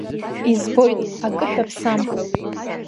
Избоит, акы шәаԥсам!